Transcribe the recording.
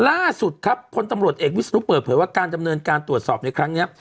ล่าสุดครับพลตำรวจเอกวิศนุเปิดเผยว่าการดำเนินการตรวจสอบในครั้งนี้